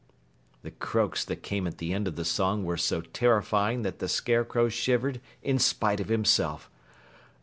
The croaks that came at the end of the song were so terrifying that the Scarecrow shivered in spite of himself.